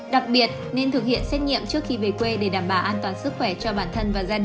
đặc biệt nên thực hiện xét nghiệm trước khi về quê để đảm bảo an toàn sức khỏe cho bản thân và gia đình